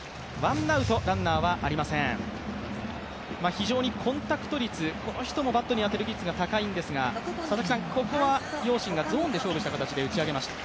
非常にコンタクト率、この人もバットに当てる率が高いんですが、ここはヨウ・シンがゾーンで勝負した形で打ち上げました。